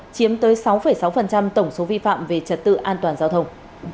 chiếm tới sáu sáu tổng số vi phạm về trật tự an toàn giao thông